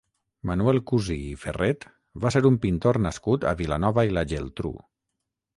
Manuel Cusí i Ferret va ser un pintor nascut a Vilanova i la Geltrú.